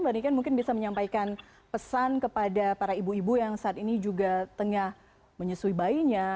mbak niken mungkin bisa menyampaikan pesan kepada para ibu ibu yang saat ini juga tengah menyusui bayinya